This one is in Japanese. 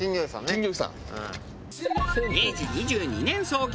明治２２年創業